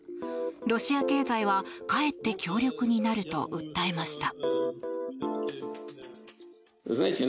ロシア経済はかえって強力になると訴えました。